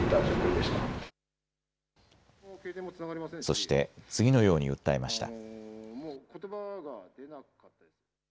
そして次のように訴えました。